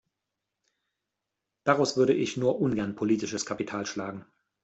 Daraus würde ich nur ungern politisches Kapital schlagen.